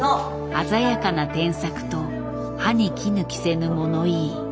鮮やかな添削と歯に衣着せぬ物言い。